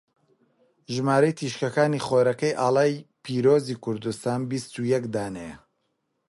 ژمارەی تیشکەکانی خۆرەکەی ئاڵای پیرۆزی کوردستان بیستو یەک دانەیە.